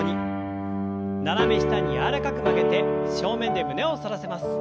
斜め下に柔らかく曲げて正面で胸を反らせます。